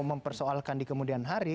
mempersoalkan di kemudian hari